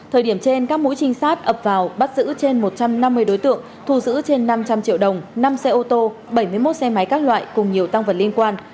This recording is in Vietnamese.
thời điểm trên các mũi trinh sát ập vào bắt giữ trên một trăm năm mươi đối tượng thu giữ trên năm trăm linh triệu đồng năm xe ô tô bảy mươi một xe máy các loại cùng nhiều tăng vật liên quan